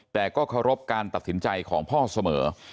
แต่ก็เคารพการตัดสินใจของพ่อเสมอ